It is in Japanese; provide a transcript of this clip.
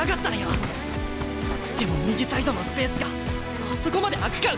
でも右サイドのスペースがあそこまで空くか？